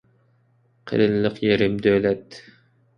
قېلىنلىق يېرىم دۆلەت.